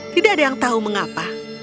tidak ada yang tahu mengapa